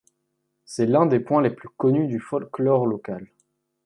C'est l'un des points les plus connus du folklore local.